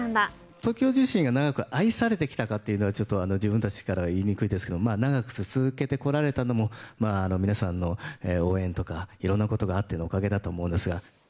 ＴＯＫＩＯ自身が長く愛されてきたかっていうのは、ちょっと自分たちからは言いにくいですけど、まあ長く続けてこられたのも、皆さんの応援とか、いろんなことがあってのおかげだと思うんですが。